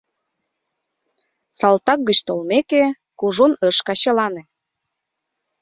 Салтак гыч толмеке, кужун ыш качылане.